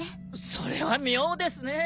それは妙ですね。